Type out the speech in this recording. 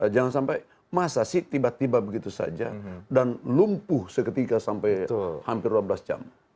jangan sampai masa sih tiba tiba begitu saja dan lumpuh seketika sampai hampir dua belas jam